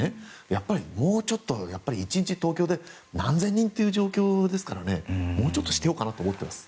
やっぱりもうちょっと１日、東京で何千人という状況ですからねもうちょっとしてようかなと思ってます。